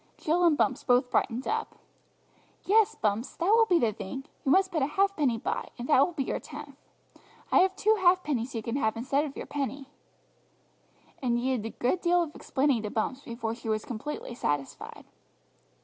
Jill and Bumps both brightened up. "Yes, Bumps, that will be the thing; you must put a halfpenny by, and that will be your tenth. I have two halfpennies you can have instead of your penny." It needed a good deal of explaining to Bumps before she was completely satisfied.